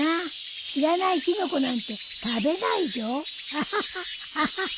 アハハアハ！